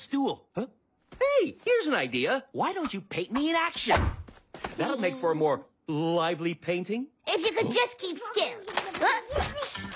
えっ？